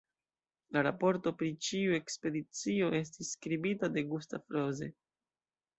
La raporto pri ĉi-ekspedicio estis skribita de Gustav Rose.